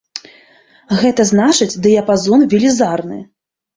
Гэта значыць, дыяпазон велізарны.